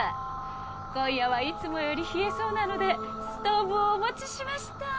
今夜はいつもより冷えそうなのでストーブをお持ちしました。